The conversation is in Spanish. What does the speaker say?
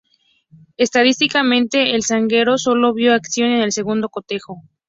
Estadísticamente, el zaguero solo vio acción en el segundo cotejo.